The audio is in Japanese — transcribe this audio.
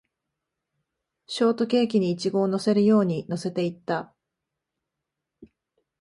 ショートケーキにイチゴを乗せるように乗せていった